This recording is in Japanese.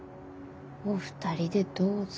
お二人でどうぞ。